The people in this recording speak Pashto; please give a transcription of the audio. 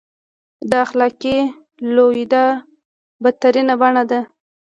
د اخلاقي لوېدا بدترینه بڼه ده.